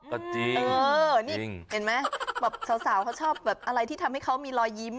ก็จริงเห็นไหมเหมือนขอบสาวเขาชอบแบบอะไรที่ทำให้เขามีรอยยิ้ม